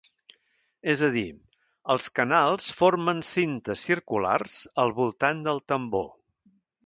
És a dir, els canals formen cintes circulars al voltant del tambor.